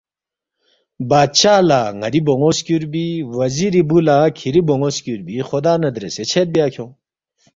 بادشاہ لہ ن٘ری بون٘و سکیُوربی، وزیری بُو لہ کِھری بون٘و سکیُوربی خُدا نہ دریسے چھد بیا کھیونگ